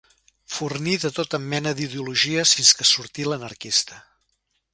Forní de tota mena d'ideologies fins que sortí l'anarquista.